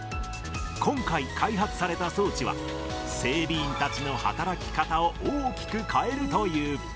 今回、開発された装置は、整備員たちの働き方を大きく変えるという。